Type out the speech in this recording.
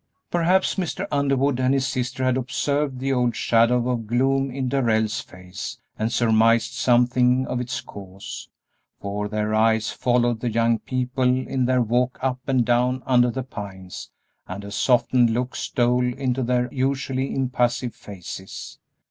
Perhaps Mr. Underwood and his sister had observed the old shadow of gloom in Darrell's face, and surmised something of its cause, for their eyes followed the young people in their walk up and down under the pines and a softened look stole into their usually impassive faces.